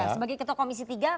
sebagai ketua komisi tiga